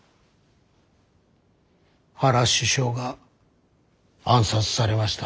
原首相が暗殺されました。